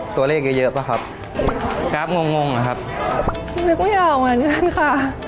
ไม่อยากเหมือนกันค่ะ